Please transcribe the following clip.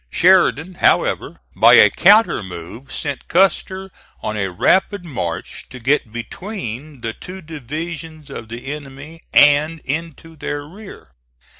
Sheridan, however, by a counter move sent Custer on a rapid march to get between the two divisions of the enemy and into their rear.